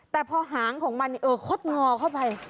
แต่พอหางของมันคดงอเข้าไป